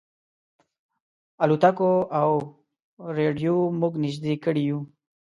الوتکو او رېډیو موږ نيژدې کړي یو.